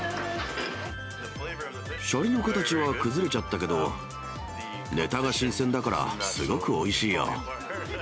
しゃりの形は崩れちゃったけど、ネタが新鮮だから、すごくおいしいよ。